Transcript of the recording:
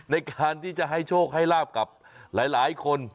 ในการที่จะให้โชคให้ลาบกับหลายคน